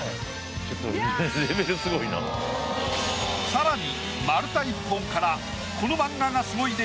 さらに丸太１本から。